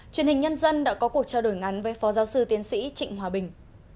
truyền hình nhân dân đã có cuộc trao đổi ngắn với phó giáo sư tiến sĩ trịnh hòa bình